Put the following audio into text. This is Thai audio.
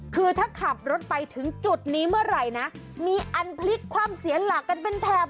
คือถ้าขับรถไปถึงจุดนี้เมื่อไหร่นะมีอันพลิกคว่ำเสียหลักกันเป็นแถบ